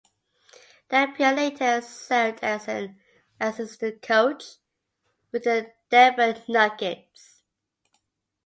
Dampier later served as an assistant coach with the Denver Nuggets.